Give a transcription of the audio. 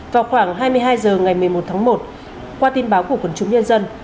vào khoảng hai mươi hai h ngày một mươi một tháng một qua tin báo của quần chúng nhân dân